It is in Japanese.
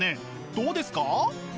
どうですか？